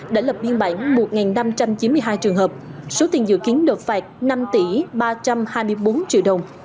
đã lập biên bản một năm trăm chín mươi hai trường hợp số tiền dự kiến đột phạt năm ba trăm hai mươi bốn triệu đồng